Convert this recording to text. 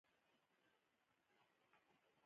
د سان ګبریل جګړه هم مخ په ختمېدو وه.